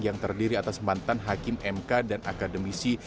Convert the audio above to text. yang terdiri atas mantan hakim mk dan akademisi